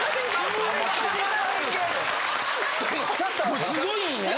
もうすごいんやね。